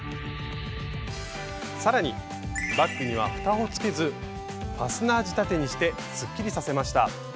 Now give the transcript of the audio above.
さらにバッグには蓋をつけずファスナー仕立てにしてすっきりさせました。